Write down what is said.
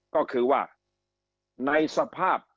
ก็คือว่าในสภาพที่ประเทศเป็นหนี้มากแบบนี้